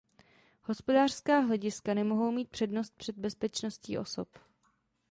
Hospodářská hlediska nemohou mít přednost před bezpečností osob.